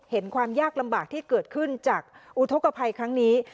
ความยากลำบากที่เกิดขึ้นจากอุทธกภัยครั้งนี้